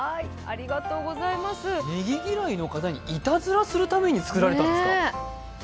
ねぎ嫌いの方にいたずらするために作られたんですか。